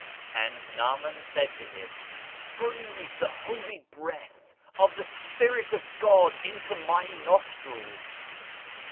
And Naaman said unto him: "Breathe the holy breath of the Spirit of God into my nostrils!